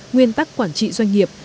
nguyên tắc quản trị doanh nghiệp